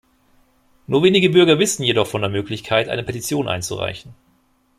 Nur wenige Bürger wissen jedoch von der Möglichkeit, eine Petition einzureichen.